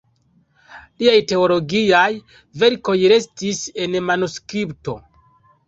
Liaj teologiaj verkoj restis en manuskripto.